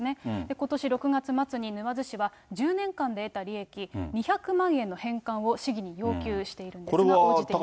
ことし６月末に沼津市は、１０年間で得た利益、２００万円の返還を市議に要求しているんですが応じていません。